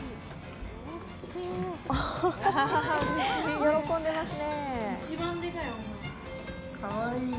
喜んでますね！